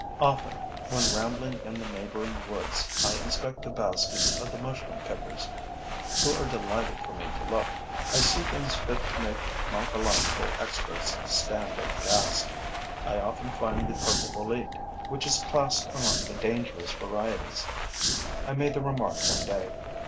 Often, when rambling in the neighboring woods, I inspect the baskets of the mushroom pickers, who are delighted for me to look. I see things fit to make mycological experts stand aghast. I often find the purple bolete, which is classed among the dangerous varieties. I made the remark one day.